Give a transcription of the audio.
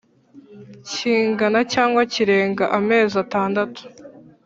kingana cyangwa kirenga amezi atandatu